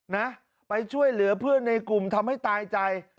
นะไปช่วยเหลือเพื่อนในกลุ่มทำให้ตายใจ